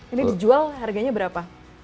ini dijual harganya berapa